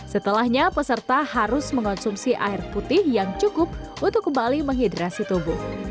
setelahnya peserta harus mengonsumsi air putih yang cukup untuk kembali menghidrasi tubuh